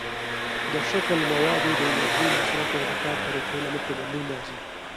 د شکل، موادو، د انرژۍ مصرف، یا د کار طریقې له مخې بدلون راځي.